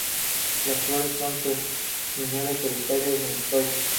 Las flores son terminales solitarias en los tallos.